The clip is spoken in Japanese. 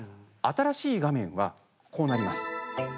新しい画面は、こうなります。